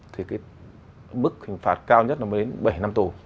thì cái mức hình phạt cao nhất nó mới đến bảy năm tù